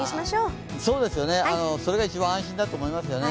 それが一番安心だと思いますよね。